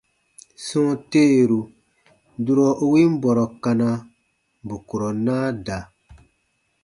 Sɔ̃ɔ teeru, durɔ u win bɔrɔ kana, bù kurɔ naa da.